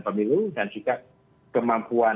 pemilu dan juga kemampuan